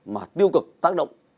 mà tiêu cực tác động